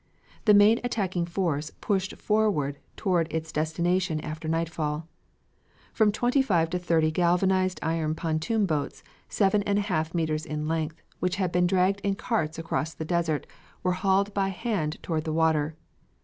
The main attacking force pushed forward toward its destination after nightfall. From twenty five to thirty galvanized iron pontoon boats, seven and a half meters in length, which had been dragged in carts across the desert, were hauled by hand toward the water.